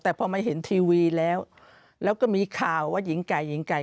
แต่พอมาเห็นทีวีแล้วแล้วก็มีข่าวว่าหญิงไก่หญิงไก่